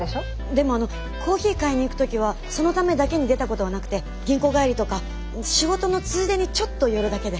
でもあのコーヒー買いに行く時はそのためだけに出たことはなくて銀行帰りとか仕事のついでにちょっと寄るだけで。